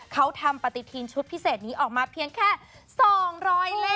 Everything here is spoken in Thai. เขาทำปฏิทินชุดพิเศษนี้ออกมาเพียงแค่๒๐๐เล่